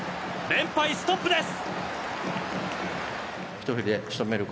連敗ストップです。